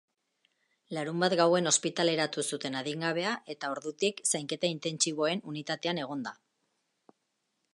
Larunbat gauen ospitaleratu zuten adingabea eta ordutik zainketa intentsiboen unitatean egon da.